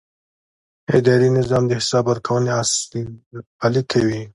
اداري نظام د حساب ورکونې اصل پلي کوي.